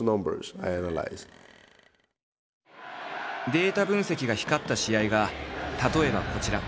データ分析が光った試合が例えばこちら。